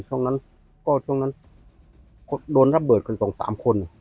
ตรงนั้นโดนระเบิดกันสามคน